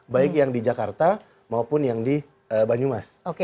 baik yang di jakarta maupun yang di banyumas